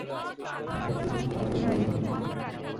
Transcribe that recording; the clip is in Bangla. বিশ্বাসই হচ্ছে না যে, কলেজ জীবন শেষ।